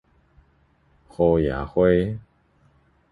雨夜花